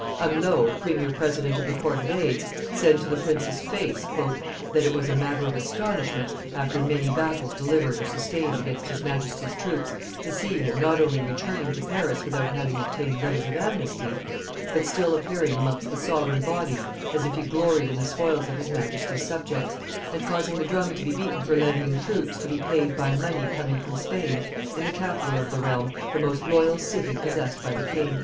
Amelot, premier president of the Court of Aids, said to the prince's face, "that it was a matter of astonishment, after many battles delivered or sustained against his Majesty's troops, to see him not only returning to Paris without having obtained letters of amnesty, but still appearing amongst the sovereign bodies as if he gloried in the spoils of his Majesty's subjects, and causing the drum to be beaten for levying troops, to be paid by money coming from Spain, in the capital of the realm, the most loyal city possessed by the king."